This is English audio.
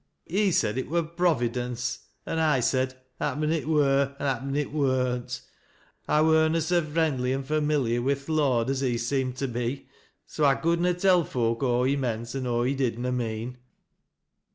He said it wur Providence, an' I said, happen it wur, an' happen it wurn't. 1 wur na so friendly and familiar wi' tli' Lord as he seemea to be, so I could na tell f oak aw he meant, and aw he did na mean.